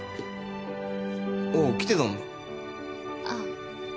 あっ。